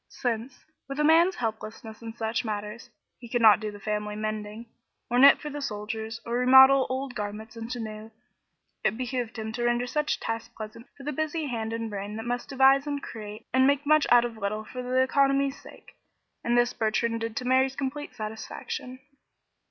Since, with a man's helplessness in such matters, he could not do the family mending, or knit for the soldiers, or remodel old garments into new, it behooved him to render such tasks pleasant for the busy hand and brain that must devise and create and make much out of little for economy's sake; and this Bertrand did to Mary's complete satisfaction.